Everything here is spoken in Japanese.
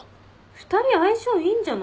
２人相性いいんじゃない？